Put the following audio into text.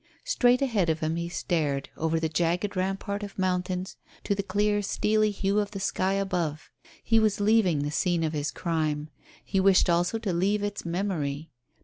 Straight ahead of him he stared, over the jagged rampart of mountains to the clear steely hue of the sky above. He was leaving the scene of his crime; he wished also to leave its memory.